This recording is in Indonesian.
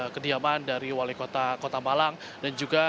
kediaman dari wale kota malang dan juga